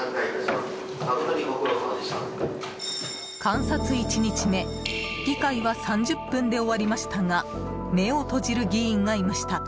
観察１日目議会は３０分で終わりましたが目を閉じる議員がいました。